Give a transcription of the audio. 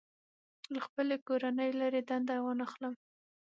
له خپلې کورنۍ لرې دنده وانخلم.